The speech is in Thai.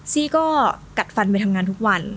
ซี่ก็กัดฟันไปทำงานทุกวัน